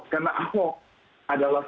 karena ahok adalah